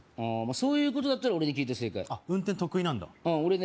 そういうことだったら俺に聞いて正解あっ運転得意なんだ俺ね